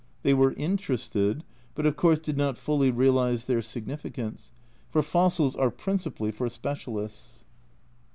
They were interested, but of course did not fully realise their significance, for fossils are principally for specialists.